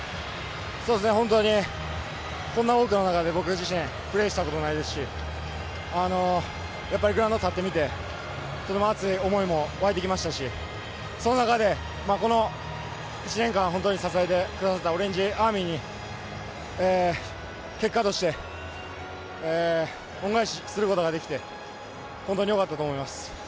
本当にこんな多くの中で僕自身プレーしたことないですし、やっぱりグラウンドに立ってみて、とても熱い思いも湧いてきましたし、その中で、この１年間、本当に支えてくださったオレンジアーミーに結果として、恩返しすることができて本当に良かったと思います。